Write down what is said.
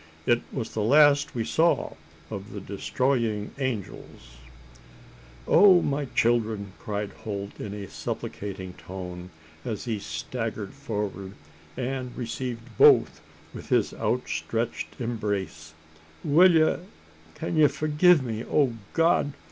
It was the last we saw of the Destroying Angels! "O my children!" cried Holt, in a supplicating tone, as he staggered forward, and received both within his outstretched embrace, "will ye can ye forgi' me? O God!